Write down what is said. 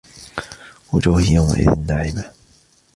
وجوه يومئذ ناعمة